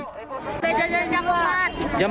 jangan jajan jam empat